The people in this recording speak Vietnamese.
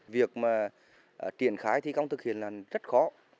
việc mà triển khái thì không thực hiện là rất khó